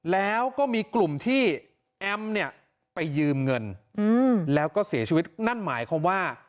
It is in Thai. แล้วก็มีกลุ่มที่แอมเนี่ยไปยืมเงินแล้วก็เสียชีวิตนั่นหมายความว่า